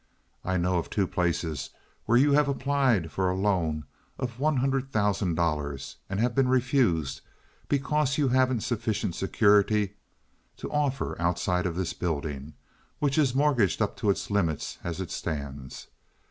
I know of two places where you have applied for a loan of one hundred thousand dollars and have been refused because you haven't sufficient security to offer outside of this building, which is mortgaged up to its limit as it stands.